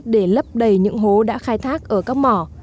để lấp đầy những hố đã khai thác ở các mỏ